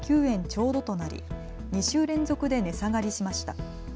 ちょうどとなり２週連続で値下がりしました。